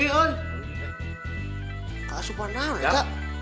kak subhanallah ya kak